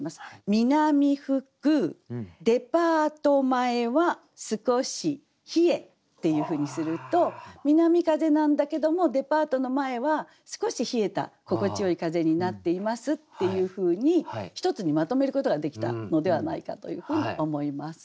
「みなみ吹くデパート前は少し冷え」っていうふうにすると南風なんだけどもデパートの前は少し冷えた心地よい風になっていますっていうふうに一つにまとめることができたのではないかというふうに思います。